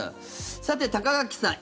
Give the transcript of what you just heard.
さて、高垣さん